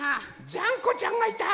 ジャンコちゃんがいた？